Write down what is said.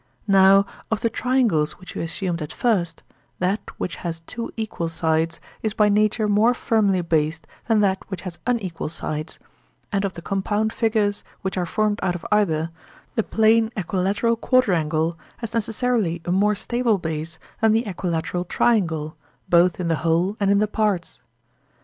Now, of the triangles which we assumed at first, that which has two equal sides is by nature more firmly based than that which has unequal sides; and of the compound figures which are formed out of either, the plane equilateral quadrangle has necessarily a more stable basis than the equilateral triangle, both in the whole and in the parts.